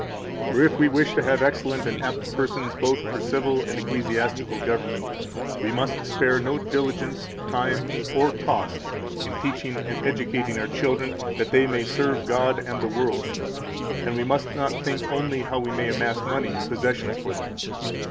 172 For if we wish to have excellent and apt persons both for civil and ecclesiastical government, we must spare no diligence, time, or cost in teaching and educating our children, that they may serve God and the world, 173 and we must not think only how we may amass money and possessions for them.